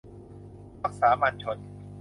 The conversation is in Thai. พรรคสามัญชน